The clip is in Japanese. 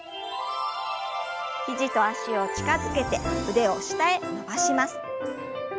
肘と脚を近づけて腕を下へ伸ばします。